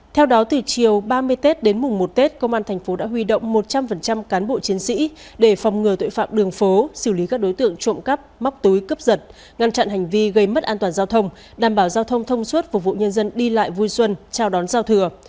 theo đó từ chiều ba mươi tết đến mùng một tết công an thành phố đã huy động một trăm linh cán bộ chiến sĩ để phòng ngừa tội phạm đường phố xử lý các đối tượng trộm cắp móc túi cấp giật ngăn chặn hành vi gây mất an toàn giao thông đảm bảo giao thông thông suốt phục vụ nhân dân đi lại vui xuân trao đón giao thừa